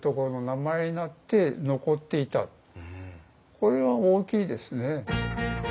これが大きいですね。